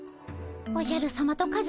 おじゃるさまとカズマさま